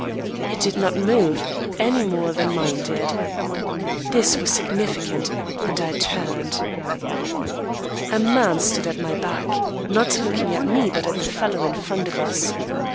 It did not move, any more than mine did. This was significant, and I turned. A man stood at my back not looking at me but at the fellow in front of us.